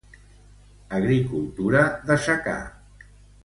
Agricultura de secà.